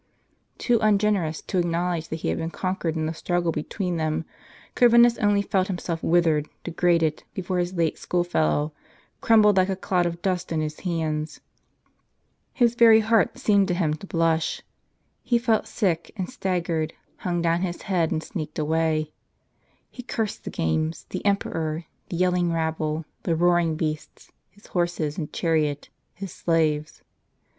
" Too ungenerous to acknowledge that he had been conquered in the struggle between them, Corvinus only felt himself with ered, degraded, before his late school fellow, crumbled like a clot of dust in his hands. His very heart seemed to him to blush. He felt sick, and staggered, hung down his head, and sneaked away. He cursed the games, the emperor, the yelling rabble, the roaring beasts, his horses and chariot, his slaves.